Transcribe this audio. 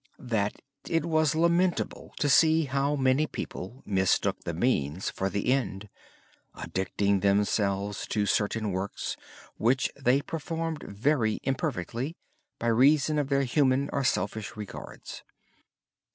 He thought it was lamentable to see how many people mistook the means for the end, addicting themselves to certain works which they performed very imperfectly by reason of their human or selfish regards.